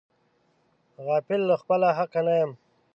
غافل له خپله حقه نه یم.